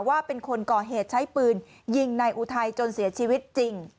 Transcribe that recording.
ว่าเป็นคนก่อเหตุใช้ปืนยิงนายอุทัยจนเสียชีวิตจริง